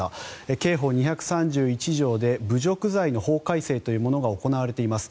刑法２３１条で侮辱罪の法改正というものが行われています。